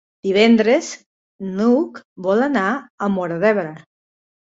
Divendres n'Hug vol anar a Móra d'Ebre.